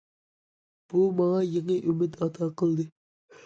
بۇ ماڭا يېڭى ئۈمىد ئاتا قىلدى.